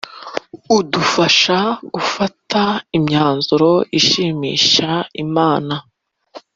udufasha gufata imyanzuro ishimisha imana